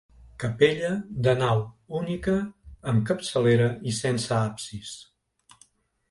Capella de nau única amb capçalera i sense absis.